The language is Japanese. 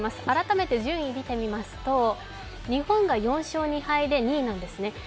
改めて順位を見てみますと、日本が４勝２敗で２位なんですね。